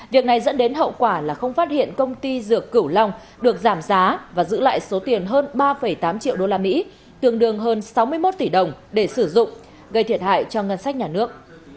việc này dẫn đến hậu quả là không phát hiện công ty dược cửu long được giảm giá và giữ lại số tiền hơn ba tám triệu usd tương đương hơn sáu mươi một tỷ đồng để sử dụng gây thiệt hại cho ngân sách nhà nước